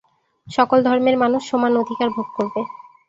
সকল ধর্মের মানুষ সমান অধিকার ভোগ করবে।